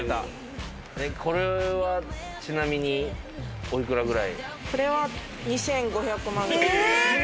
これはちなみにお幾らくらい？